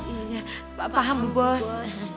iya pak paham bu bos